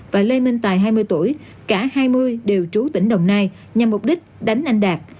và lê minh tài hai mươi tuổi cả hai mươi đều trú tỉnh đồng nai nhằm mục đích đánh anh đạt